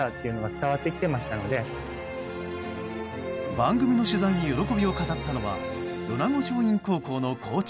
番組の取材に喜びを語ったのは米子松蔭高校の校長。